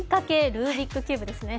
ルービックキューブですね。